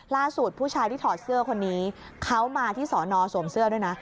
ผู้ชายที่ถอดเสื้อคนนี้เขามาที่สอนอสวมเสื้อด้วยนะ